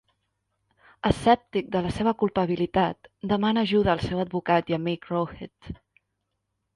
Escèptic de la seva culpabilitat, demana ajuda al seu advocat i amic Rohit.